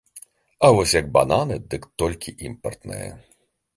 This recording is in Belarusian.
А вось як бананы, дык толькі імпартныя.